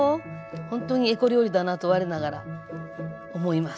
ほんとにエコ料理だなと我ながら思います。